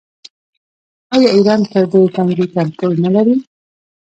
آیا ایران پر دې تنګي کنټرول نلري؟